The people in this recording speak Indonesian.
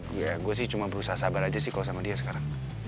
ya gue sih cuma berusaha sabar aja sih kalau sama dia sekarang